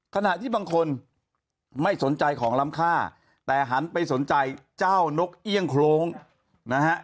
ขณะที่บางคนไม่สนใจของล้ำค่าแต่หันไปสนใจเจ้านกเอี่ยงโครงนะฮะ